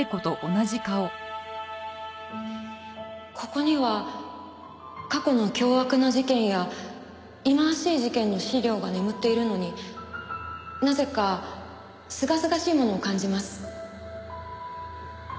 ここには過去の凶悪な事件や忌まわしい事件の資料が眠っているのになぜかすがすがしいものを感じます。